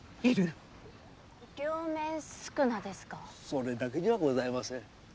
それだけじゃあございません。